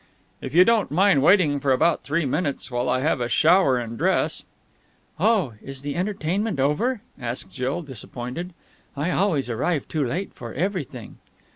"If you don't mind waiting for about three minutes while I have a shower and dress...." "Oh, is the entertainment over?" asked Jill, disappointed. "I always arrive too late for everything."